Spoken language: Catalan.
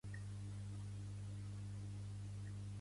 El riu ha estat contaminat per una plaga de vuit mil milions de humans